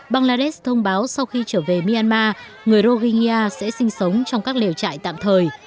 bangladesh thông báo sau khi trở về myanmar người rohingya sẽ sinh sống trong các liều trại tạm thời